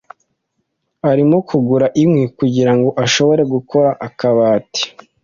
Arimo kugura inkwi kugirango ashobore gukora akabati.